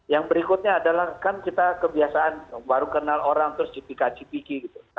yang berikutnya adalah kan kita kebiasaan baru kenal orang terus cipika cipiki gitu